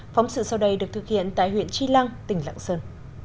phóng sự sau đây được thực hiện tại huyện chi lăng tỉnh lạng sơn